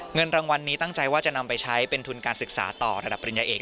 เงินรางวัลนี้ตั้งใจว่าจะนำไปใช้เป็นทุนการศึกษาต่อระดับปริญญาเอก